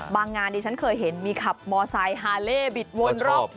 บางงานดิฉันเคยเห็นมีขับมอสไซด์ฮาเล่บิดวนรอบวิน